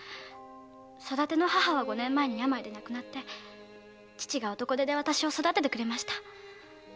育ての母は五年前に病で亡くなり父が男手で育ててくれました。